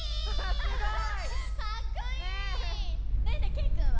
けいくんは？